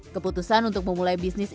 keputusan untuk memulai bisnis